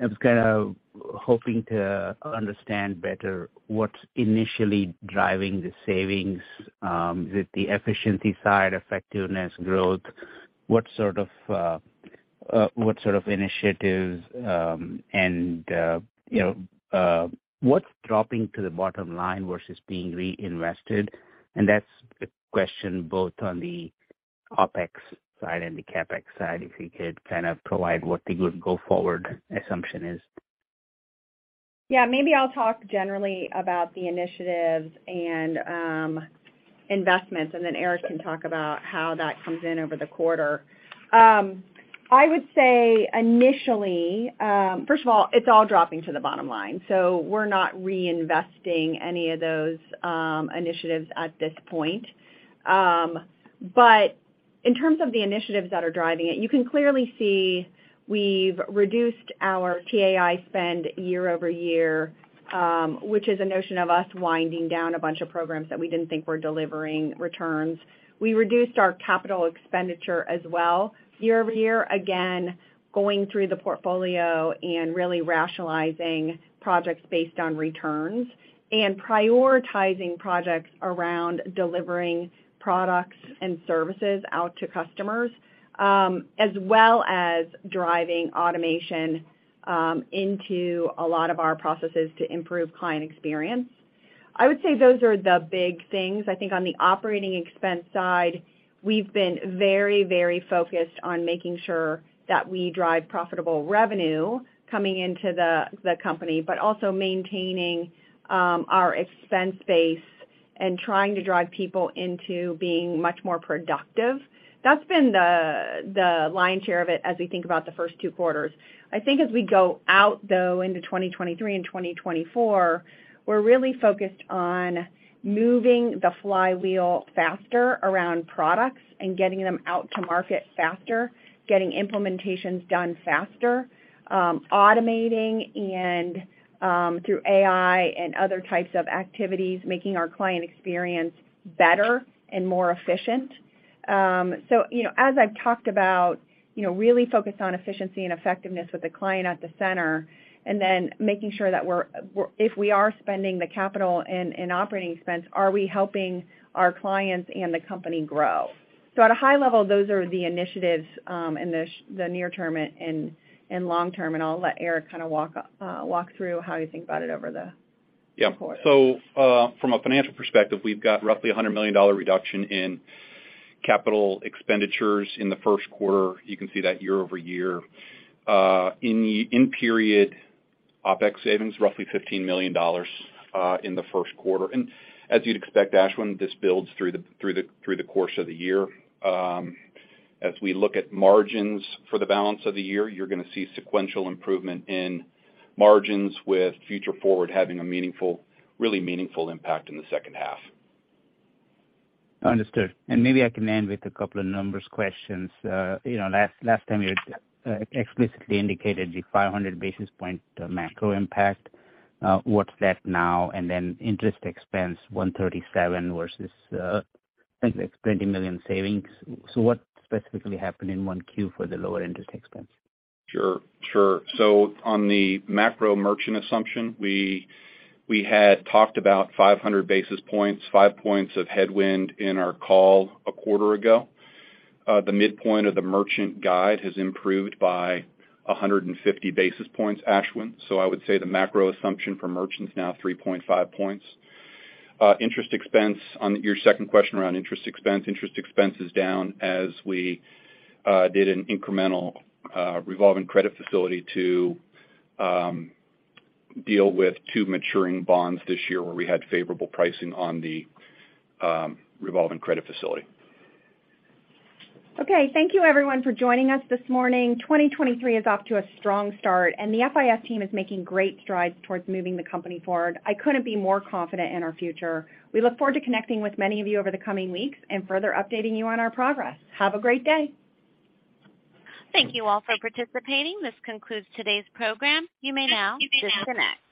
was kinda hoping to understand better what's initially driving the savings with the efficiency side, effectiveness, growth. What sort of initiatives, and you know, what's dropping to the bottom line versus being reinvested? That's a question both on the OpEx side and the CapEx side, if you could kind of provide what the good go-forward assumption is. Yeah. Maybe I'll talk generally about the initiatives and investments, and then Erik can talk about how that comes in over the quarter. I would say initially, first of all, it's all dropping to the bottom line. We're not reinvesting any of those initiatives at this point. In terms of the initiatives that are driving it, you can clearly see we've reduced our TAI spend year-over-year, which is a notion of us winding down a bunch of programs that we didn't think were delivering returns. We reduced our capital expenditure as well year-over-year, again, going through the portfolio and really rationalizing projects based on returns and prioritizing projects around delivering products and services out to customers, as well as driving automation into a lot of our processes to improve client experience. I would say those are the big things. I think on the operating expense side, we've been very, very focused on making sure that we drive profitable revenue coming into the company, but also maintaining our expense base and trying to drive people into being much more productive. That's been the lion's share of it as we think about the first two quarters. I think as we go out, though, into 2023 and 2024, we're really focused on moving the flywheel faster around products and getting them out to market faster, getting implementations done faster, automating and through AI and other types of activities, making our client experience better and more efficient. You know, as I've talked about, you know, really focused on efficiency and effectiveness with the client at the center, and then making sure that if we are spending the capital and operating expense, are we helping our clients and the company grow? At a high level, those are the initiatives in the near term and long term, and I'll let Erik kinda walk through how you think about it over the- Yeah. quarters. From a financial perspective, we've got roughly $100 million reduction in capital expenditures in the first quarter. You can see that year-over-year. In the in-period OpEx savings, roughly $15 million in the first quarter. As you'd expect, Ashwin, this builds through the course of the year. As we look at margins for the balance of the year, you're gonna see sequential improvement in margins with Future Forward having a meaningful, really meaningful impact in the second half. Understood. Maybe I can end with a couple of numbers questions. you know, last time you explicitly indicated the 500 basis point macro impact. What's that now? Then interest expense, $137 versus, I think it's $20 million savings. What specifically happened in 1Q for the lower interest expense? Sure. Sure. On the macro merchant assumption, we had talked about 500 basis points, 5 points of headwind in our call a quarter ago. The midpoint of the merchant guide has improved by 150 basis points, Ashwin. I would say the macro assumption for merchants now 3.5 points. Interest expense, on your second question around interest expense, interest expense is down as we did an incremental revolving credit facility to deal with two maturing bonds this year where we had favorable pricing on the revolving credit facility. Okay. Thank you everyone for joining us this morning. 2023 is off to a strong start. The FIS team is making great strides towards moving the company forward. I couldn't be more confident in our future. We look forward to connecting with many of you over the coming weeks and further updating you on our progress. Have a great day. Thank you all for participating. This concludes today's program. You may now disconnect.